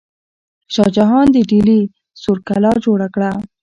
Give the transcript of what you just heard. شاه جهان د ډیلي سور کلا جوړه کړه.